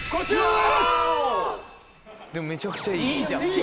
でもめちゃくちゃいい。いいじゃん。